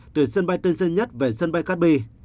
từ sân bay tương dân nhất về sân bay tây nguyên